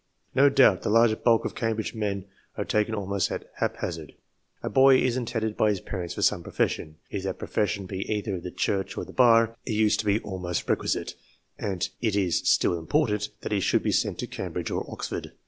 No doubt the large bulk of Cambridge men are taken almost at hap hazard. A boy is intended by his parents for some profession ; if that profession be either the Church or the Bar, it used to be almost requisite, and it is still important, that he should be sent to Cambridge or Oxford.